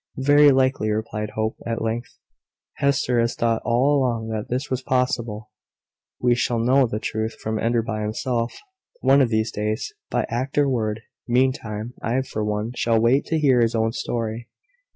"Very likely," replied Hope, at length. "Hester has thought all along that this was possible. We shall know the truth from Enderby himself, one of these days, by act or word. Meantime, I, for one, shall wait to hear his own story."